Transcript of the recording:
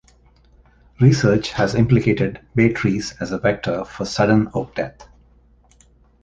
Research has implicated bay trees as a vector for sudden oak death.